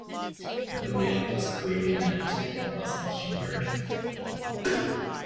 The man was clearly demented and must be humoured.